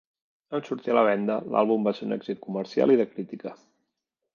En sortir a la venda, l'àlbum va ser un èxit comercial i de crítica.